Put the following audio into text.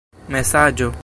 mesaĝo